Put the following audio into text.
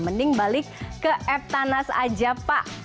mending balik ke eptanas aja pak